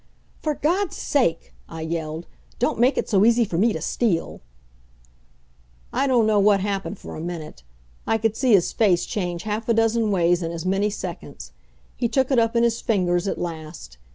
"For God's sake!" I yelled. "Don't make it so easy for me to steal!" I don't know what happened for a minute. I could see his face change half a dozen ways in as many seconds. He took it up in his fingers at last.